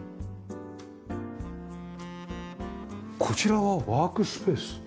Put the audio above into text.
こちらはワークスペース？